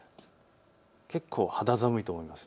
結構、肌寒いと思います。